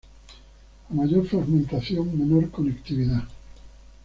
A mayor fragmentación menor conectividad.